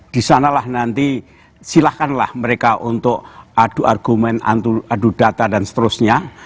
disanalah nanti silahkanlah mereka untuk adu argumen adu data dan seterusnya